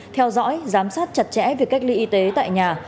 theo dõi giám sát chặt chẽ việc cách ly y tế tại nhà